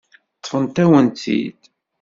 Ṭṭfent-awen-tt-id.